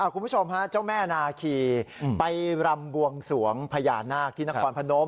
คุณผู้ชมฮะเจ้าแม่นาคีไปรำบวงสวงพญานาคที่นครพนม